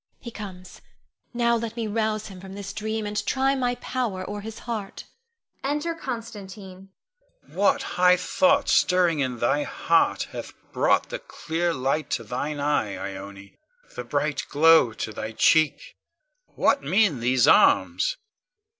He comes; now let me rouse him from this dream, and try my power o'er his heart. [Enter Constantine. Con. What high thoughts stirring in thy heart hath brought the clear light to thine eye, Ione, the bright glow to thy cheek? What mean these arms?